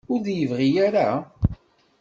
Ur d-iyi-yebɣi ara?